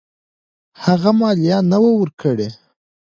هغه مالیه نه وه ورکړې.